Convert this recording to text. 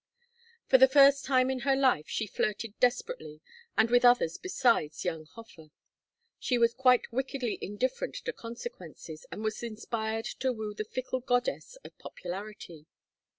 For the first time in her life she flirted desperately, and with others besides young Hofer. She was quite wickedly indifferent to consequences, and was inspired to woo the fickle goddess of popularity.